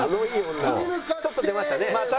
ちょっと出ましたね。